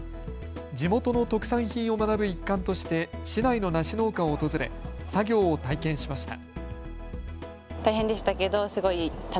地元の特産品を学ぶ一環として市内の梨農家を訪れ作業を体験しました。